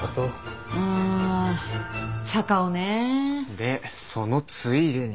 でそのついでに。